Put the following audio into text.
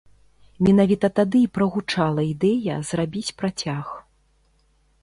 Менавіта тады і прагучала ідэя зрабіць працяг.